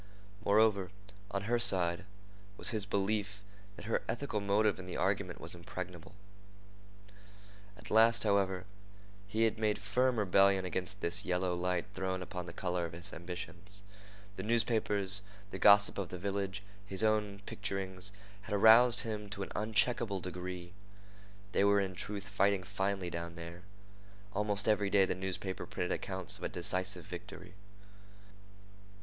Moreover, on her side, was his belief that her ethical motive in the argument was impregnable. At last, however, he had made firm rebellion against this yellow light thrown upon the color of his ambitions. The newspapers, the gossip of the village, his own picturings, had aroused him to an uncheckable degree. They were in truth fighting finely down there. Almost every day the newspaper printed accounts of a decisive victory.